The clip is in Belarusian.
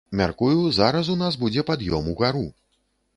Мяркую, зараз у нас будзе пад'ём угару.